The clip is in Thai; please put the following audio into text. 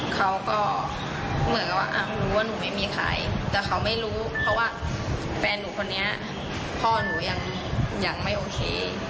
เขาก็เหมือนกับว่ารู้ว่าหนูไม่มีขายแต่เขาไม่รู้เพราะว่าแฟนหนูคนนี้พ่อหนูยังไม่โอเค